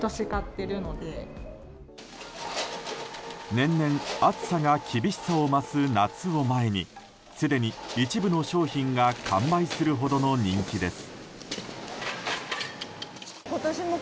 年々、暑さが厳しさを増す夏を前にすでに一部の商品が完売するほどの人気です。